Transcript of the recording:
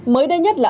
mới đây nhất là